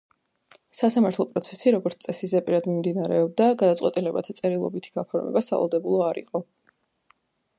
სასამართლო პროცესი, როგორც წესი, ზეპირად მიმდინარეობდა, გადაწყვეტილებათა წერილობითი გაფორმება სავალდებულო არ იყო.